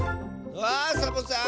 あサボさん